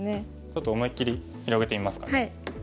ちょっと思いっきり広げてみますかね。